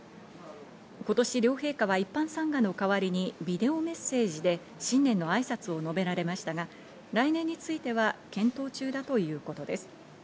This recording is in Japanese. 今年、両陛下は一般参賀の代わりにビデオメッセージで新年の挨拶を述べられましたが、来年については検討中だということです。